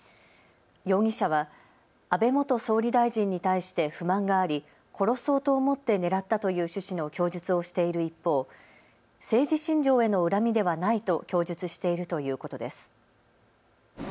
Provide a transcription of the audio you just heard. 容疑者は安倍元総理大臣に対して不満があり殺そうと思って狙ったという趣旨の供述をしている一方、政治信条への恨みではないと供述しているということです。